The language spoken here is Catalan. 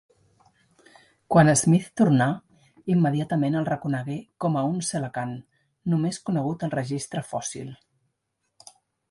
Quan Smith tornà, immediatament el reconegué com a un celacant, només conegut al registre fòssil.